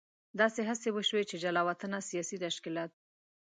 داسې هڅې وشوې چې جلا وطنه سیاسي تشکیلات.